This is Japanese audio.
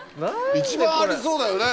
一番ありそうだよね